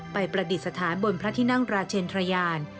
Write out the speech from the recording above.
ประดิษฐานบนพระที่นั่งราชเชนทรยาน